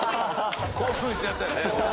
興奮しちゃったよね。